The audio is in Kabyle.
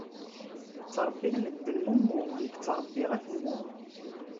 Ttrebbin medden mummu, nekk ttrebbiɣ atemmu.